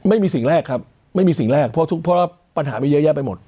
ไม่มีสิ่งแรกครับไม่มีสิ่งแรกเพราะทุกเพราะว่าปัญหามีเยอะแยะไปหมด